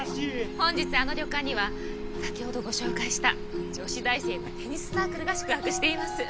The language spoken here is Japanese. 本日あの旅館には先ほどご紹介した女子大生のテニスサークルが宿泊しています。